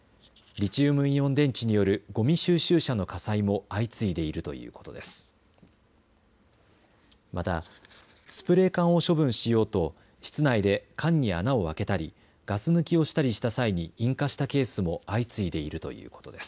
リチウムイオン電池によるごみ収集車の火災も相次いでいるということです。